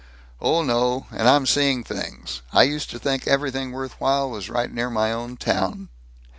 "Oh, no. And I'm seeing things. I used to think everything worth while was right near my own town."